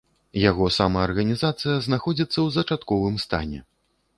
Яго самаарганізацыя знаходзіцца ў зачаткавым стане.